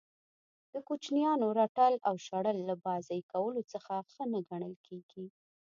د کوچنیانو رټل او شړل له بازئ کولو څخه ښه نه ګڼل کیږي.